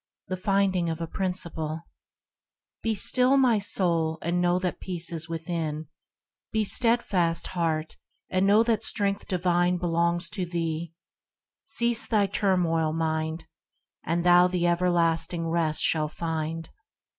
THE FINDING OF A PRINCIPLE Be still, my soul, and know that peace is thine; Be steadfast, heart, and know that strength divine Belongs to thee; cease from thy turmoil, mind, And thou the everlasting rest shalt find.